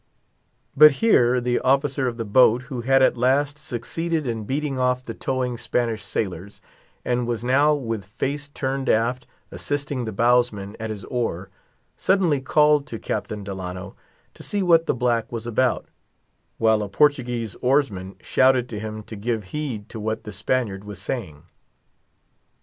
But here, the officer of the boat, who had at last succeeded in beating off the towing sailors, and was now, with face turned aft, assisting the bowsman at his oar, suddenly called to Captain Delano, to see what the black was about; while a Portuguese oarsman shouted to him to give heed to what the Spaniard was saying.